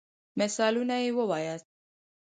مثالونه يي ووایاست.